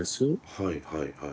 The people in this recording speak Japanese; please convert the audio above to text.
はいはいはい。